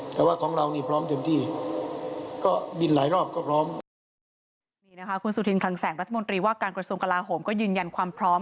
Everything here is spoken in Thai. แต่ว่าของเรานี่พร้อมเต็มที่ก็บินหลายรอบก็พร้อม